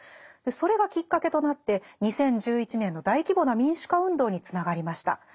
それがきっかけとなって２０１１年の大規模な民主化運動につながりました。